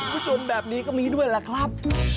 อุ๊ยชวนแบบนี้ก็มีด้วยแหละครับ